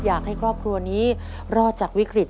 อยากให้ครอบครัวนี้รอดจากวิกฤต